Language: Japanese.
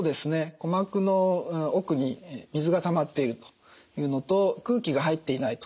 鼓膜の奥に水がたまっているというのと空気が入っていないと。